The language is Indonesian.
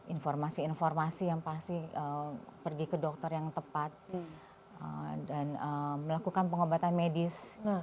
informasi informasi yang pasti pergi ke dokter yang tepat dan melakukan pengobatan medis